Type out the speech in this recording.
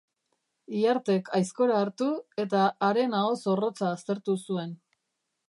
Ihartek aizkora hartu, eta haren aho zorrotza aztertu zuen.